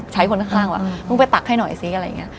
คนข้างว่ามึงไปตักให้หน่อยซิอะไรอย่างนี้